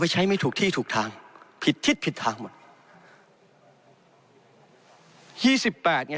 ใช้ไม่ถูกที่ถูกทางผิดทิศผิดทางหมดยี่สิบแปดไง